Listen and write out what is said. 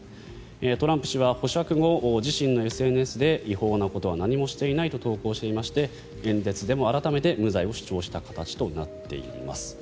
トランプ氏は保釈後自身のＳＮＳで違法なことは何もしていないと投稿していまして演説でも改めて無罪を主張した形となっています。